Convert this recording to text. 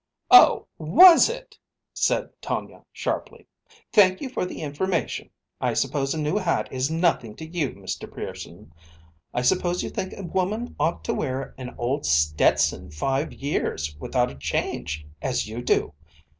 "Oh! Was it?" said Tonia sharply. "Thank you for the information. I suppose a new hat is nothing to you, Mr. Pearson. I suppose you think a woman ought to wear an old Stetson five years without a change, as you do.